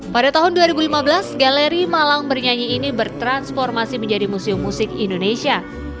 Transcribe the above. pada tahun dua ribu lima belas galeri malang bernyanyi ini bertransformasi menjadi museum musik indonesia